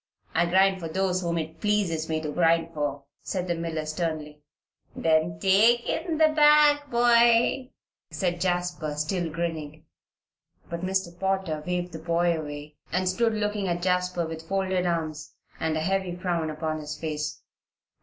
"I grind for those whom it pleases me to grind for," said the miller, sternly. "Then take in the bag, boy," said Jasper, still grinning. But Mr. Potter waved the boy away, and stood looking at Jasper with folded arms and a heavy frown upon his face.